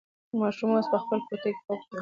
ماشوم اوس په خپله کوټه کې خوب کوي.